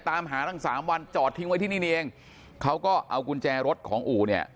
ตามหาตั้งสามวันจอดทิ้งไว้ที่นี่นี่เองเขาก็เอากุญแจรถของอู่เนี่ย